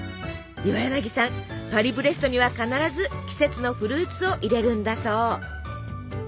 岩柳さんパリブレストには必ず季節のフルーツを入れるんだそう。